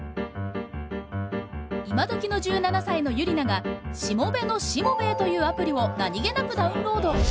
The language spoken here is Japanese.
今どきの１７歳のユリナが「しもべのしもべえ」というアプリを何気なくダウンロード。